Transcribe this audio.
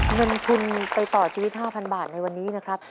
เงินทุนไปต่อชีวิต๕๐๐บาทในวันนี้นะครับ